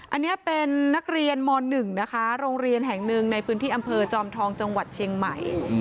อันนี้เป็นนักเรียนม๑นะคะโรงเรียนแห่งหนึ่งในพื้นที่อำเภอจอมทองจังหวัดเชียงใหม่